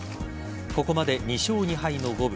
ここまで２勝２敗の五分。